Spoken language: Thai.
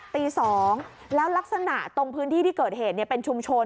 ตี๒แล้วลักษณะตรงพื้นที่ที่เกิดเหตุเป็นชุมชน